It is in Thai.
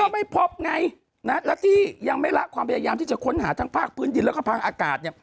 ไม่พบไงแล้วที่ยังไม่ละความพยายามที่จะค้นหาทั้งภาคพื้นดินแล้วก็ทางอากาศเนี่ย